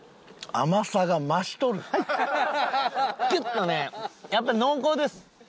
ギュッとねやっぱ濃厚です。